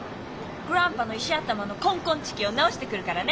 グランパの石頭のコンコンチキを直してくるからね。